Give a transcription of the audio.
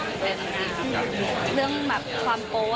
ก็ชวนอยู่ค่ะกำลังดูอยู่ว่า